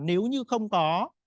nếu như không có